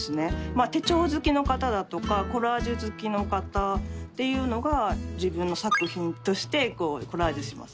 手帳好きの方だとかコラージュ好きの方っていうのが自分の作品としてこうコラージュします。